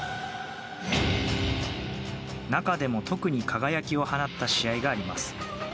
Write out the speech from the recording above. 中でも、特に輝きを放った試合があります。